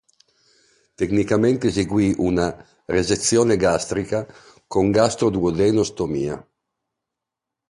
Tecnicamente eseguì una "resezione gastrica" con "gastro-duodeno-stomia".